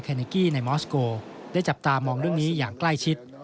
เนกี้ในมอสโกได้จับตามองเรื่องนี้อย่างใกล้ชิด